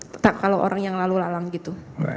tetap kalau orang yang lalu lalang gitu